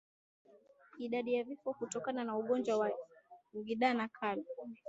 Idadi ya vifo kutokana na ugonjwa wa ndigana kali